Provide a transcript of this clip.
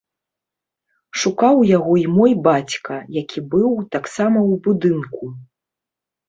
Шукаў яго і мой бацька, які быў таксама ў будынку.